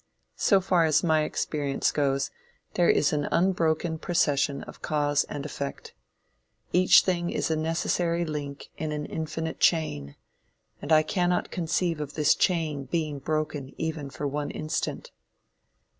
So far as my experience goes, there is an unbroken procession of cause and effect. Each thing is a necessary link in an infinite chain; and I cannot conceive of this chain being broken even for one instant.